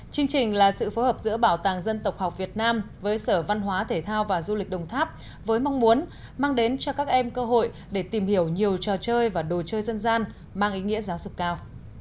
chương trình là sự phối hợp giữa bảo tàng dân tộc học việt nam với sở văn hóa thể thao và du lịch đồng tháp với mong muốn mang đến cho các em cơ hội để tìm hiểu nhiều trò chơi và đồ chơi dân gian mang ý nghĩa giáo dục cao